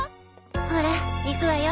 ほら行くわよ。